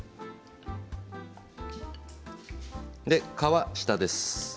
皮が下です。